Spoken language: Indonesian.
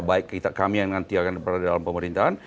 baik kami yang nanti akan berada dalam pemerintahan